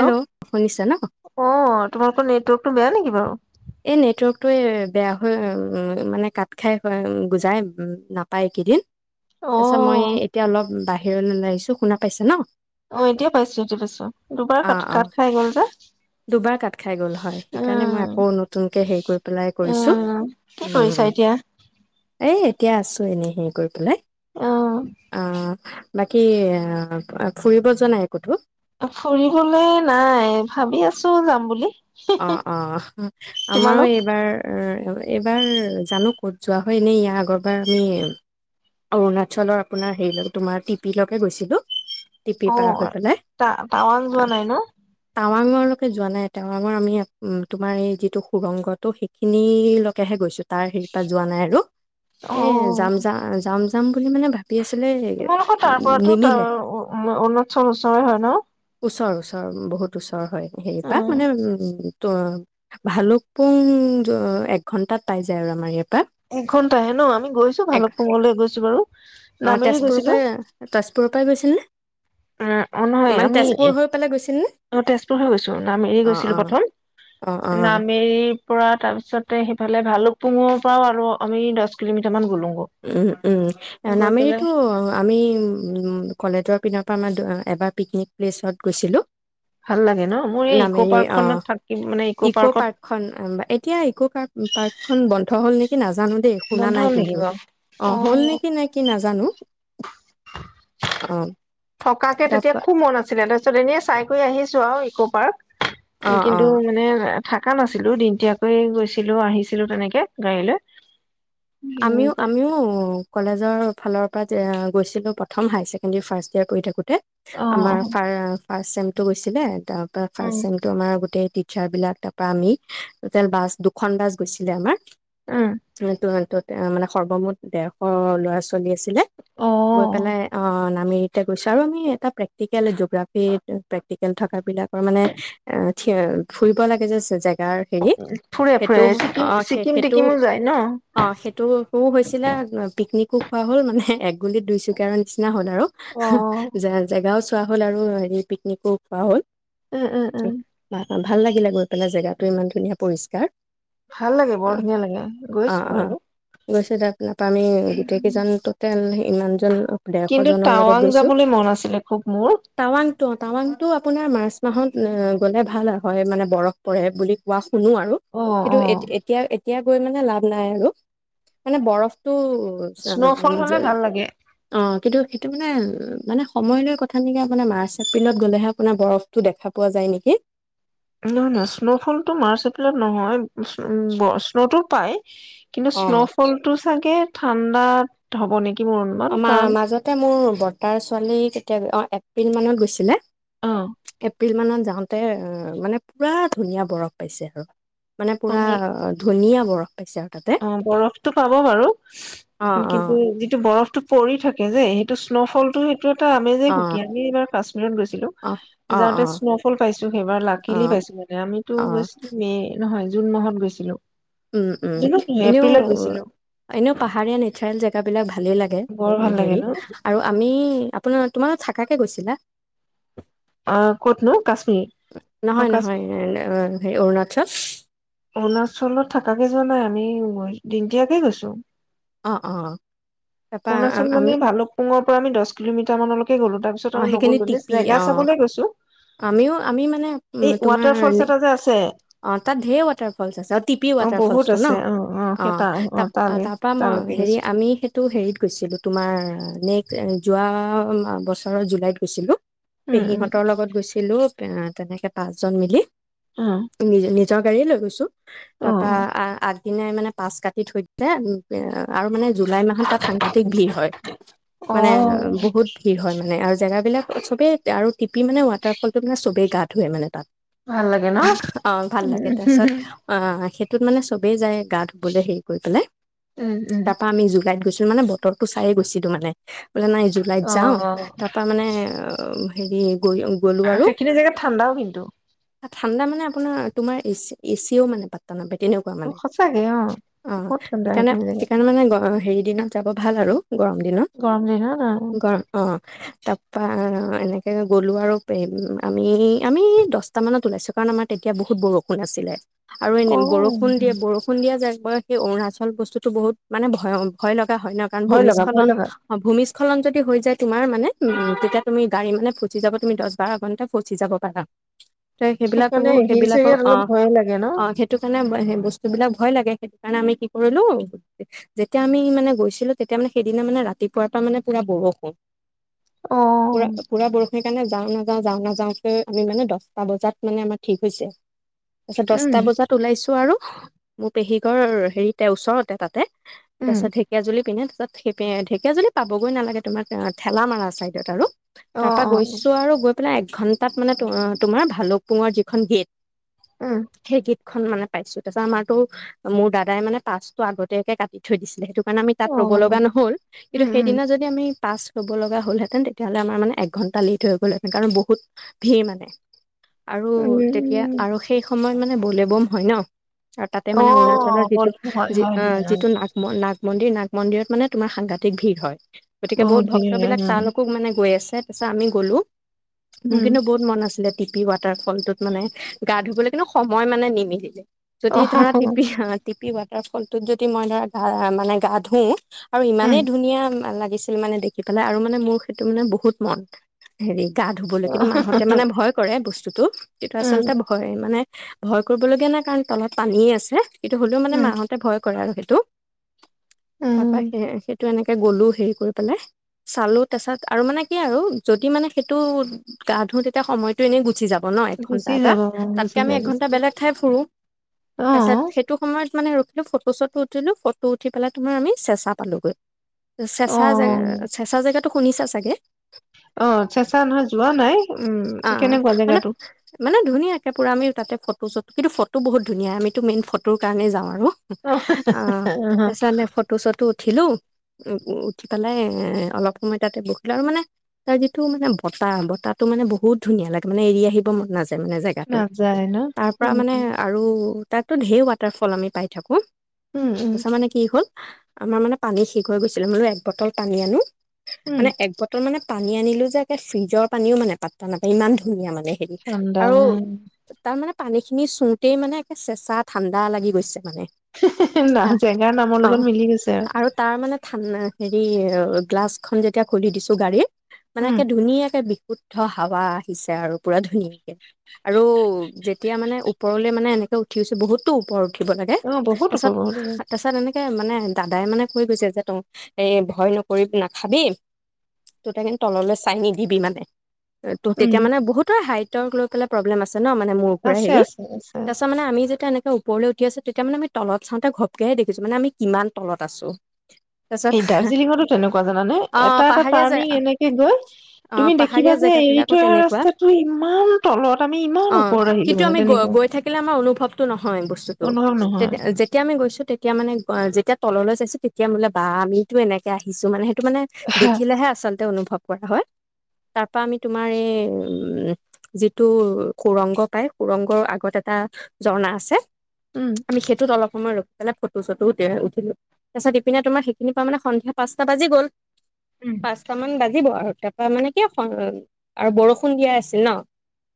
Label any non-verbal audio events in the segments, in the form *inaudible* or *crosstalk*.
Hello শুনিছা ন অ', তোমালোকৰ নেটৱৰ্ক বেয়া নেকি বাৰু? এই নেটৱৰ্কটো এ‌ বেয়া হৈ-মানে-কাট খাই নাপায় একেইদিন। তাছত মই অ', এতিয়া অলপ বা *unintelligible* আহিছো শুনা পাইছে ন? অ', এতিয়া পাইছো এতিয়া পাইছো দুবাৰ অ অ কা-কাত খাই গ'ল যে, দুবাৰ কাট খাই গ'ল হয় সেইকাৰণে মই উম। আকৌ নতুনকে হেৰি কৰি পেলাই কৰিছো উম, কি কৰিছা উম এতিয়া? এ এতিয়া আছো এনে হেৰি কৰি পেলাই অহ আহ বাকী অ ফুৰিব যোৱা নাই কতো ফুৰিবলে নাই ভাৱি আছো যাম বুলি অ অ আমাৰো তোমালোক? এইবাৰ এইবাৰ জানো ক'ত যোৱা হয় এনেই ইয়াৰ আগৰবাৰ আমি অৰুণাচলৰ আপোনাৰ হেৰি তোমাৰ টিপিলৈকে গৈছিলোঁ টিপি অ পাৰ হৈ পেলাই ত টাৱং যোৱা নাই ন টাৱাঙৰলৈকে যোৱা নাই এটা টাৱাঙৰ আমি তোমাৰ এই যিটো সুৰংগটো সেইখিনিলৈকেহে গৈছো তাৰ হেৰি পৰা যোৱা নাই আৰু এ অ'। যাম যাম যাম যাম বুলি মানে ভাৱি তোমালোকৰ তাৰ পৰাতো ত অৰুণাচল ওচৰে হয় ন ওচৰ ওচৰ বহুত ওচৰ হয় সেইবা উম। উ ত ভালুক পুং এক ঘন্টাত পাই যায় আৰু আমাৰ ইয়াৰ পৰা এঘন্টাহে ন আমি গৈছো এক ভালুকপুঙলৈ গৈছো বাৰু অ নামেৰি তেজপুৰৰ পৰাই তেজপুৰৰ পৰাই গৈছিল নে উ অ নহয় মানে আমি তেজপুৰ হৈ পেলাই গৈছিল নে অ তেজপুৰ হৈ গৈছো নামেৰি অ গৈছিলো অ প্ৰথম অ অ নামেৰি পৰা তাৰপিছতে সিফালে ভালুক পুঙৰ পৰাও আৰু আমি দহ কিলোমিটাৰ মান গ'লো উম উম নামেৰিটো আমি উম কলেজৰ পিনৰ পৰা এবাৰ পিকনিক পেলেচত গৈছিলোঁ ভাল লাগে ন মোৰ এই ইক' নামেৰি অ পাৰ্কখনত থাকি মানে ইক' পাৰ্কত পাৰ্কখন এতিয়া ইক পাৰ্ক পাৰ্কখন বন্ধ হ'ল নেকি কি নাজ জানো দেই বন্ধ শুনা হ'ল নাই নেকি কিন্তু বাৰু? অ হ'ল নেকি নাই নাজানো অ থকাকে তেতিয়া তাৰপা খুব মন আছিলে তাৰপিছত এনেই চাই কৰি আহিছো আৰু ইক পাৰ্ক অ', কিন্তু অ', মানে থাকা নাছিলো দিন তিয়াকৈ গৈছিলো আহিছিলো তেনেকে গাড়ী লৈ উম আমিও আমিও কলেজৰ ফালৰ পৰা যে গৈছিলোঁ প্ৰথম হাই ছেকেণ্ডেৰী ফাৰ্ষ্ট ইয়েৰ পঢ়ি থাকোঁতে অ আমাৰ ফাৰষ্ট চেমটো গৈছিলে তাৰ উম ফাৰ্ষ্ট চেমটো আমাৰ গোটেই টিচাৰ বিলাক তাৰ পৰা আমি, টোটেল বাছ দুখন বাছ গৈছিলে আমাৰ। উম *unintelligible* এ' মানে সৰ্বমুঠ ডেৰশ ল'ৰা ছোৱালী আছিলে, অ গৈ পেলাই, অ' *unintelligible* আমি এতিয়া গৈছো আৰু আমি এটা প্ৰেক্টিকেল জগৰাফি প্ৰেক্টিকেল থকা পিনে পৰা মানে ফুৰিব লাগে যে জেগা ফুৰে ফুৰে ছিকিম টিকিমো যায় ন, ফু ফু ও গৈছিলা, পিকনিকো খোৱা হ'ল, মানে এক গুলিত দুইচিকাৰৰ নিচিনা হ'ল আৰু অ জেগাও চোৱা খোৱা হ'ল আৰু হেৰি পিকনিকো খোৱা হ'ল। উম উম উম অ ভাল লাগিলে গৈ পেলাই, জেগাটো ইমান ধুনীয়া পৰিষ্কাৰ। ভাল লাগে বৰ অ' ধুনীয়া লাগে, গৈছো অ' বাৰু, গৈছো দক *unintelligible* তাত‌ আমি গোটেই কেইজন ইমান্ জন ডেৰশ কিন্তু জনৰ লগত টাৱাং গৈছো যাবলৈ মন আছিলে খুব মোৰ। অ' টাৱাংটো আপোনাৰ মাৰ্চ মাহত গ'লে ভাল হয়, মানে বৰফ পৰে বুলি কোৱা শুনো আৰু, অ কিন্তু অ এ এতিয়া এতিয়া গৈ মানে লাভ নাই আৰু। মানে বৰফ স্ন'ফল হলে ভাল লাগে *unintelligible* কিন্তু সেইটো মানে মানে সময় লৈ কথা নেকি, আপোনাৰ মাৰ্চ এপ্ৰিলত গ'লেহে আপোনাৰ বৰফটো দেখা পোৱা যায় নেকি? নহয় নহয় স্ন'ফলটো মাৰ্চ ত নহয় উ স্ন'তো পায়, কিন্তু অ স্ন'ফলটো চাগে- ঠাণ্ডাত হ'ব নেকি? মোৰ অনুমান অ' কাৰণ মা-মাজতে মোৰ- বৰ্তাৰ ছোৱালী তেতিয়া অ' এপ্ৰিল মানত গৈছিলে, অ এপ- এপ্ৰিল মানত যাওঁতে মানে পুৰা ধুনীয়া বৰফ পাইছে আৰু। মানে পুৰা আমি ধুনীয়া। বৰফ। পাইছে আৰু তাতে অ বৰফটো পাব বাৰু অ অ কিন্তু যিটো বৰফটো পৰি থাকে যে সেই ত স্ন'ফল টো সেইটো এটা আমেজেই অ সুকীয়া আমি এইবাৰ কাশ্মীৰত গৈছিলো অ অ যাওঁতে স্ন'ফল পাইছো সেইবাৰ অ অ লাকিলি পাইছো মানে আমিতো অ গৈছিলো মে নহয় জুন মাহত গৈছিলো। উম, উম জুনত নহয় এনেও, এপ্ৰিলত গৈছিলো এনেও পাহাৰীয়া নেচাৰেল জেগাবিলাক ভালে লাগে। বৰ উ, ভাল লাগে হেৰি ন আৰু আমি আপোনাৰ তোমালোক থাকাকে গৈছিলা? অ ক'ত নো? নহয়, নহয় অৰুণা- চল অৰুণাচলত থাকাকে যোৱা নাই আমি দিনটীয়াকে গৈছো। অ অ তাৰপা অৰুণাচল মানে আমি ভালুকপুঙৰ পৰা আমি দহ কিলোমিটাৰ মান অল- গলো অ তাৰপিছত আৰু সেইখিনি নগলো টিপি জেগা অ চাবলৈ গৈছো আমিও আমি মানে উম, এই তোমাৰ ৱাটাৰ ফলছ এটা যে আছে অ তাত ধেৰ ফলচ আছে অ টিপি ৱাটাৰ বহুত ফলচটো ন? আছে অ অ সেই তা অঁ অ ত তালে তাৰপৰা তালৈকে মই হেৰি গৈছো আমি সেইটো হেৰিত গৈছিলোঁ তোমাৰ নেক্সট- যোৱা বছৰৰ জুলাইত গৈছিলোঁ। উম পেহীহঁতৰ লগত গৈছিলো। এ তেনেকে পাঁচজন মিলি উম নিজে নিজ য গাড়ীয়ে লৈ গৈছো। অ তাৰ পৰা দিনে মানে পাচ কাটি থৈ দিলে আৰু মানে জুলাই মাহত তাত সাংঘাতিক ভিৰ হয় অ অ মানে বহুত ভিৰ হয় মানে আৰু জেগাবিলাক চবেই আৰু টিপি মানে ৱাটাৰফলটো মানে চবেই গাত ধুয়ে মানে তাত ভালে অ ভাল লাগে তাৰপিছত অ তত মানে চবেই যায় গা ধুবলৈ হেৰি কৰি পেলাই। উম উম তাৰ পৰা আমি জোগাইত গৈছো। মানে বতৰটো চাই গৈছিলো মানে বোলে নাই জুলাইত অ যাওঁ তাৰপৰা মানে হেৰি গৈ গ'লো আৰু সেইখিনি জেগাত ঠাণ্ডাও কিন্তু। ঠাণ্ডা মানে আপোনাৰ তোমাৰ এচি এচিও মানে পাত্তা নাপাই। তেনেকুৱা মানে। সঁচাকে অ অ বহুত ঠাণ্ডা সেইকাৰণে সেইখিনি জেগাত সেইকাৰণে মানে হেৰি দিনত যাব ভাল আৰু। গৰম দিনত। গৰম দিনত অ গৰম অ তাৰ পৰা এনেকে গলো আৰু আমি আমি দছটা মানত ওলাইছো। কাৰণ আমাৰ তেতিয়া বহুত বৰষুণ আছিলে। আৰু এনে অ বৰষুণ দিয়ে বৰষুণ দিয়া জেগা। মই সেই অৰুণাচল গৈছোঁতো বহুত মানে ভয় লগা। হয় ন কাৰণ ভয় লগা ভয় ভূমিস্খলন লগা ভূমি ভূমিস্খলন যদি হৈ যায় তোমাৰ মানে তেতিয়া তুমি গাড়ী মানে ফচি যাব তুমি দছ বাৰ ঘণ্টা ফচি যাব পাৰা। সেই সেইবিলাক সেইকাৰণে হিলছ সেইবিলাকৰ এৰিয়াত অ অলপ ভয়ে লাগে ন অ সেইটো কাৰণে সেই বস্তু বিলাক ভয় লাগে। সেইকাৰণে আমি কি কৰিলো যেতিয়া আমি মানে গৈছিলো তেতিয়া মানে সেইদিনা মানে ৰাতিপুৱাৰ পৰা মানে পুৰা বৰষুণ। অ পুৰা পুৰা বৰষুণ সেইকাৰণে যাওঁ নাযাওঁ যাওঁ নাযাওঁ কে আমি মানে দছটা বজাত মানে আমাৰ। ঠিক হৈছে। তাৰপিছত উম দছটা বজাত ওলাইছো আৰু। মোৰ পেহীঘৰ হেৰিতে ওচৰতে তাতে। তাৰ উম পিছত ঢেকীয়াজুলি পিনে। তাত সেইপিনে ঢেকীয়াজুলি পাবগৈ নালাগে তোমাৰ ঠেলামাৰা চাইদত আৰু। অ তাৰ পৰা অ গৈছো আৰু গৈ পেলাই এক ঘন্টা তাত মানে তোমাৰ ভালুকপোঙৰ যি খন গেট। উম সেই গেটখন মানে। পাইছো। তাৰপিছত আমাৰতো মোৰ দাদাই মানে পাচতো আগতীয়াকে কাটি থৈ দিছিলে। সেইটো মানে আমি তাত অ ৰ'ব লগা নহ'ল, কিন্তু উম উম সেইদিনা যদি আমি পাচ ল'ব লগা হ'লহেঁতেন, তেতিয়াহ'লে আমাৰ মানে এক ঘণ্টা লেট হৈ গ'লহেতেন কাৰণ বহুত ভিৰ মানে। আৰু তেতিয়া উম আৰু সেই সময় সময়ত মানে বলে বম হয় ন। আৰু তাতে অ মানে অৰুণাচলৰ যিটো গৰম হয় যি হয় দিয়া যিটো নাগ মন্দিৰ মন্দিৰ নাগ মন্দিৰত মানে তোমাৰ সাংঘাতিক ভিৰ হয়। গতিকে বহুত দিন ভক্তবিলাক উম তালোকো মানে গৈ আছে। তাৰ পিছত আমি গ'লো- মোৰ উম কিন্তু বহুত মন আছিলে টিপি ৱাটাৰ ফলটোত- মানে গা ধুবলৈ, কিন্তু সময় মানে নিমিলিলে। যদি অ ধৰা টিপি অ- টিপি ফলটোত যদি মই ধৰা গা- মানে গা ধোও- আৰু উম ইমানেই ধুনীয়া লাগে - লাগিছিল মানে দেখি পেলাই আৰু মানে মোৰ সেইটো মানে বহুত মন হেৰি। গা ধুবলৈ কিন্তু মাহঁতে মানে উম ভয় কৰে বস্তু- তটো *unintelligible* যিটো উম আচলতে ভয় মানে- ভয় কৰিব লগীয়া নাই, কাৰণ তলত পানী আছে। এইটো হ'লেও মানে উম মাহতে ভয়- কৰে আৰু সেইটো- উম তাক স *unintelligible* টো এনেকে গ'লো হেৰি কৰি পেলাই চালো। তাৰপিছত আৰু মানে কি আৰু যদি মানে সেইটো গা-ধোও তেতিয়া সময়টো এনেই গুচি যাব ন! ঘন্টা গুচি এটা যাব তাতকে গুচি আমি যায় গুচি এঘন্টা যায় বেলেগ ঠাই ফুৰো। অ তাৰছত সেইটো সময়ত, - মানে ৰখিলো ফটো চটো উঠিলো, ফটো উঠি পোলাই তোমাৰ আমি চেচা পালোোগৈ। অ চেঁচা জেগা চেঁচা জেগাত- শুনিছা চাগে। অ চেচা নহয় যোৱা নাই উম- অ অ কেনেকুৱা মানে জেগাটো? মানে ধুনীয়াকৈ পুৰা আমি তাতে ফটো-চটো, কিন্তু ফটো বহুত ধুনীয়া আমিতো মেইন ফটোৰ কাৰণেই যাওঁ আৰু। অ অ- তাৰপিছতে ফটো চটো- উঠিলো উ- উঠি পেলাই এ- অলপ সময় তাতে বহিলো আৰু মানে তাৰ যিটো মানে বতাহ বতাহটো মানে বহুত ধুনীয়া লাগে মানে এৰি আহি- নাজায়- মানে জেগাটো। নাযায় ন তাৰ পৰা উম মানে আৰু- তাতো ঢেৰ ৱাটাৰফল আমি পাই থাকো। উম উম তাৰমানে কি হ'ল? আমাৰ মানে পানী শেষ হৈ গৈছিলে, মানো এক বটল পানী আনো- উম মানে এক বটল মানে- পানী আনিলো যে একে ফ্ৰিজৰ পানীও মানে পাত্তা নাপায় ইমান ধুনীয়া মানে সেইটো। ঠাণ্ডা আৰু তাৰ মানে- পানী খিনি চুওতেই মানে একে চেঁচা ঠাণ্ডা লাগি গৈছে। না আহ জেগাৰ নামৰ লগত অ- মিলি গৈছে আৰু তাৰ মানে ঠান্ডা হে *unintelligible* হ গ্লাছখনন যেতিয়া খুলি দিছো গাড়ীত মানে উম ধুনীয়াকে বি শুদ্ধ হাৱা আহিছে আৰু পুৰা ধুনীয়া আৰু যেতিয়া মানে ওপৰলে মানে এনেকে উঠিছো বহুতো ওপৰ উঠিব লাগে অ বহুত ওপৰ তাৰছত বহুত ওপৰ তাৰছত এনে তাকে মানে দাদাই মানে কৈ গৈছে যে তই এই ভয় নকৰি নাখাবি ত কিন্তু তললৈ চাই নিদিবি মানে ত' উম তেতিয়া মানে বহুতৰে হাইট লৈ পেল প্ৰবলেম আছে। ন মানে মোৰ পৰা আছে হেৰি আছে আছে তাৰ পিছত মানে আমি যে এনেকে ওপৰলৈ উঠি আছে তেতিয়া মানে আমি তল চাওঁতে ঘপকেহে দেখছো মানেমি কিমান তলত আছো। তাৰপিছত এই দাৰ্জিলিঙতো তেনেকুৱা জানানে অ', এটা এটা পাহাৰীয়া জে টাৰ্ণিং এনেকে গৈ অ', তুমি দেখিবা পাহাৰীয়া যে এৰি জেগাবিলাকো থৈ অহা তেনেকুৱা ৰাস্তাটো ইমান তলত আমি ইমান অ ওপৰত আহিলো কিন্তু মানে আমি তেনেকুৱা গৈ থাকিলে আমাৰ অনুভৱটো নহয় বস্তুতটো অনুভৱ নহয় তেতিয়া যেতিয়া আমি গৈছো তেতিয়া মানে যেতিয়া তল চাইছো তেতিয়া বোলে বা আমিতো এনেকে আহিছো মানে মানে দেখিলেহে আচলতে অনুভৱ হয় তাৰ আমি তোমাৰ এই যিটো সুৰংগ পায় সুৰংগৰ আগত এটা ঝৰ্ণা আছে। উম আমি সেইটোত অলপ সময় ৰ ে ফটো চটো উঠ উঠিলো তাৰপিছত ইপিনে তোমাৰ সেইখিনি পৰা সন্ধিয়া পাচটা বাজি গল। উম পাঁচট মান বাজিব আৰু তাৰ পৰা মানে কি আৰু বৰষুণ দিয়া আছিল ন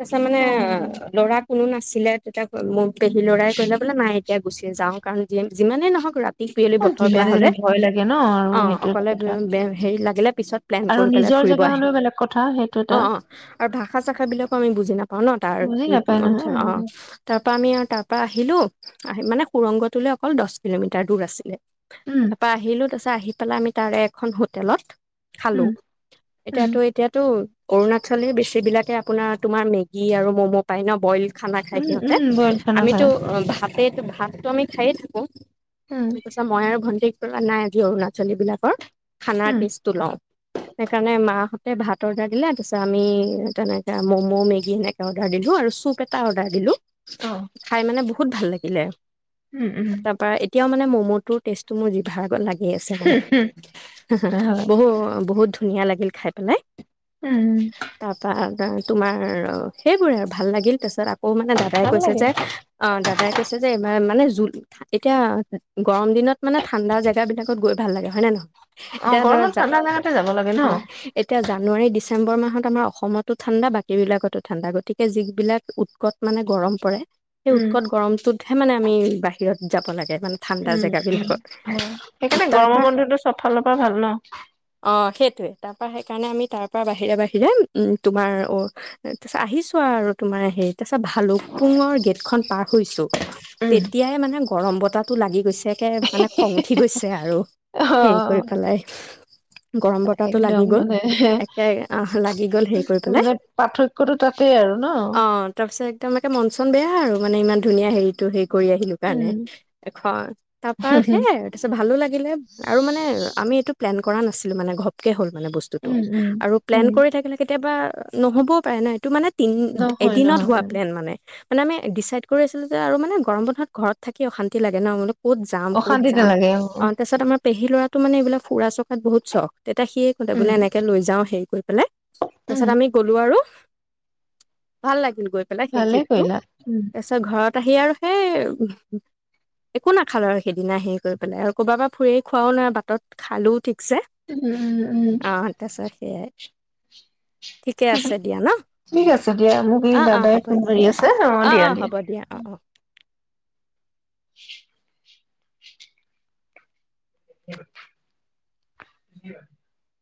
তাৰপছত মানে অ ল'ৰা কোনো নাছিল। *unintelligible* পেহী লৰা কৈা বোলে নাই এতিয়া গুচি যাওঁ কাৰণ যিম -যিমানেই নহওক ৰাতি তিকপয়লি বতৰ বেয়া যিমানে যেনে হ'লে ভয় লাগে ন আৰু অ', সেইটো এটা অকলে বে, কথা হে হেৰি লাগিলে পিছত প্লেন আৰু কৰি পেলাই নিজৰ ফুৰিব জেগা আহিম হলেও বেলেগ কথা সেইটো এটা অ', - অ ', আৰু ভাষা চাষাবিলাক বুজি নাপাও ন তাৰ বুজি কি নাপায় নহয় অ', তাৰ পৰা আমি আৰু তাৰ পৰা আহিলো। হহ ', আহি মানে সুৰংগটোলৈ অকল দহ কিলোমিটাৰ দূৰ আছিলে। উম তাৰপা আহিলো তাৰপিছত আহি পেলাই আমি তাৰে এখন হোটেলত খালো উম উম এতিয়াতো- এতিয়াতো অৰুণাচলি বেছি বিলাকে আপোনাৰ তোমাৰ মেগী আৰু ম'ম' পাই ন। বইল খানা খায় উম সিহঁতে উম বইল খানা আমিতো খাই ভাতে শাকটো আমি খায়ে থাকো। উম সি কৈছা মই আৰু ভণ্টিক নাই আজি অৰুণাচলী বিলাকৰ খানাৰ উম টেষ্টটো লও সেইকাৰণে মাহ তে ভাত অৰ্ডাৰ দিলে তাৰিছত আমি তেনেকে ম'ম', মেগী এনেকে অৰ্ডাৰ দিলো আৰু চুপ এটা অৰ্ডাৰ দিলো। অ খাই মানে বহুত ভাল লাগে। ইলে উম উম তাৰ পাৰা এতিয়া এতিয়া মানে ম'ম'টোৰ টেষ্টটো মোৰ যিভাত। লাগি আছে মানে হা-হা হয় বহু -বহুত ধুনীয়া লাগিল খাই পেলাই। উম', হম ', তোমাৰ সেইবোৰে আৰু ভাল লাগিল তাৰপিছত অ', মানে দাদাই ভাল কৈছে লাগে যে অ', দাদাই কৈছে যে ই মানে যো এতিয়া গৰম দিনত মানে ঠাণ্ডা জেগাবিলাক গৈ ভাল লাগে হয় নে নহয় অ এতিয়া ধৰ গৰমত জ', ঠাণ্ডা জেগাতে যাব লাগে ন অ ', এতিয়া জানুৱাৰী ডিচেম্বৰ মাহত আমাৰ অসমত ঠাডা বা এইবিলাকতো ঠাণ্ডা গতিকে যিবিলাক উৎকট মানে গৰম পৰে। সেই উম উৎকট গৰমটোত সে মানে আমি বাহিৰত যাব লাগে। মানে ঠাণ্ডা উম জেগাবিলাকত সেইকাৰণে তাৰ পৰা গৰমৰ বন্ধটো চবফালৰ পৰা ভাল ন। অ সেইটোৱে তাৰ পৰা সেইকাৰণে আমি তাৰ পৰা বাহিৰে বাহিৰে তোমাৰ অ তাৰপিছত আহিছো আৰু তোমাৰ হেৰি তাৰপিছত এটা ভালুক পুঙৰ গেট খন পাৰ হৈছোঁ। উম তেতিয়াই মানে গৰম বতাহটো লাগি গৈছে। এককে মানে খং উঠি গৈছে আৰু অ হেৰি কৰি পেলাই গৰম বতাহো লাগি একদম গল মানে একে আহ লাগি গল হেৰি কৰি পেলাই। মানে পাৰ্থক্যটো তাতেই আৰু ন অ তাৰপিছত একদম একে মন চন বেয়া আৰু মানে ইমান ধুনীয়া হেৰিটো সেই কৰি আহিলো কাৰণে উম তাৰপৰা আৰু সেই উম এ আৰু তাৰপিছত ভালো লাগিলে আৰু মানে আমি এইটো প্লেন কৰা নাছিলোঁ মানে ঘপকে হ'ল। মানে বস্তুটো, উম উম আৰু প্লেন উম কৰি থাকিলে কেতিয়াবা। নহ'ব নহ'বও পাৰে ন এইটো মানে তিন নহয় এদিনত হোৱা নহয় প্লেন মানে। মানে আমি ডিচাইড কৰি আছিলো যে আৰু মানে গৰম বন্ধত ঘৰত থাকি অশান্তি লাগে ন। ক'ত যাম ক'ত অশান্তিতে যাম। লাগে অ তাৰপিছত আমাৰ পেহী ল'ৰা তো মানে এইবিলক ফুৰা-চকাত বহুত চখ। তেতিয়া সিয়ে ক'লে উম বোলে এনেকে লৈ যাওঁ, হেৰি কৰি *unintelligible* তাৰ উম পিছত আমি গ'লো আৰু। ভাল লাগিল। গৈ পেলাই সেই ভালে ট্ৰিপতো। কৰিলা উম তাৰপিছত ঘৰত আহি আৰু সেই একো নেখালো আৰু সেইদিনা। হেৰি কৰি পেলাই আৰু ক'ৰবাৰ পৰা ফুৰি আহি খোৱাও নাই, বাটত খালোও ঠিক উম উম উমম। *inaudible* সেয়াই ঠিকে আছে। ন ঠিক আছে দিয়া মোক এই অ অ দাদাই হ'ব ফোন কৰি আছে। অ দিয়া দিয়া। *unintelligible* *unintelligible*